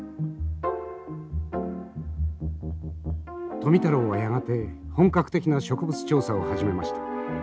富太郎はやがて本格的な植物調査を始めました。